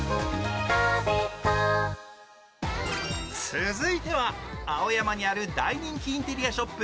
続いては青山にある大人気インテリアショップ